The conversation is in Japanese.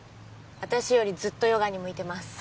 私よりずっとヨガに向いてます